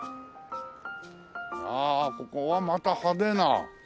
ああここはまた派手な。